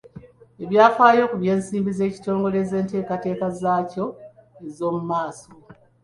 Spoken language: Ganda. Ebyafaayo ku by'ensimbi z'ekitongole n'enteekateeka zaakyo ez'omu maaso.